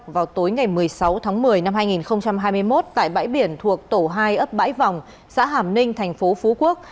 vào tối ngày một mươi sáu tháng một mươi năm hai nghìn hai mươi một tại bãi biển thuộc tổ hai ấp bãi vòng xã hàm ninh thành phố phú quốc